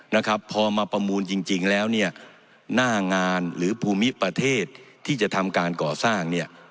นะครับพอมาประมูลจริงจริงแล้วเนี่ยหน้างานหรือภูมิประเทศที่จะทำการก่อสร้างเนี่ย